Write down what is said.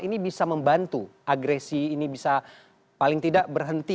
ini bisa membantu agresi ini bisa paling tidak berhenti